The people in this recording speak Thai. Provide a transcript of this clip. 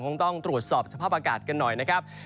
คงต้องตรวจสอบสภาพอากาศกันหน่อยนะครับ